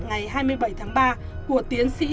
ngày hai mươi bảy tháng ba của tiến sĩ